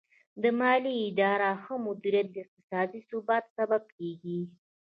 د مالي ادارو ښه مدیریت د اقتصادي ثبات سبب کیږي.